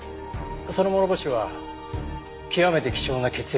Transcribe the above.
その諸星は極めて貴重な血液の持ち主です。